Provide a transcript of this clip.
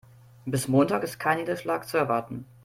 Bis Montag ist kein Niederschlag zu erwarten.